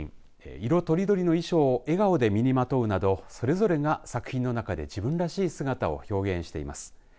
色とりどりの衣装を笑顔で身にまとうなどそれぞれが作品の中で自分らしい姿を表現しています。